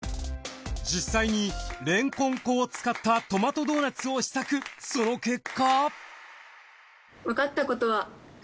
実際にれんこん粉を使ったトマトドーナツを試作その結果。